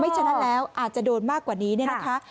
ไม่ใช่นั้นแล้วอาจจะโดนมากกว่านี้นะคะ